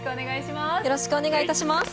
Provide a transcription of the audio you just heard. よろしくお願いします。